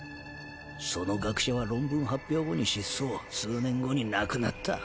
その学者は論文発表後に失踪数年後に亡くなった。